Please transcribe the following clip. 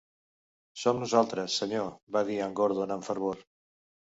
"Som nosaltres, senyor", va dir en Gordon, amb fervor.